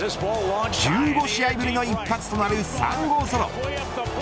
１５試合ぶりの一発となる３号ソロ。